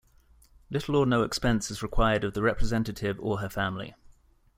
Little or no expense is required of the representative or her family.